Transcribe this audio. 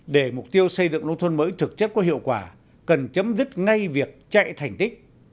để mục tiêu xây dựng nông thôn mới thực chất có hiệu quả cần chấm dứt ngay việc chạy thành tích